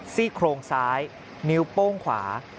ซี่โครงซ้ายนิ้วโป้งขวา